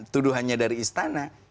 tuduhannya dari istana